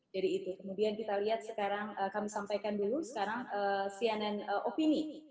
jadi itu kemudian kita lihat sekarang kami sampaikan dulu sekarang cnn opini